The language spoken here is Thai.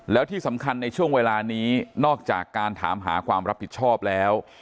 แล้วที่สำคัญในช่วงเวลานี้นอกจากการถามหาความรับผิดชอบแล้ว